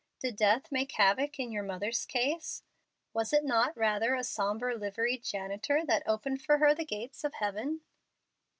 Did death make havoc in your mother's case? Was it not rather a sombre liveried janitor that opened for her the gates of heaven?"